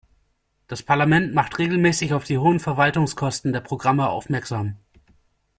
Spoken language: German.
Das Parlament macht regelmäßig auf die hohen Verwaltungskosten der Programme aufmerksam.